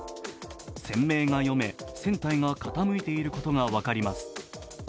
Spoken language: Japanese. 船名が読め、船体が傾いていることが分かります。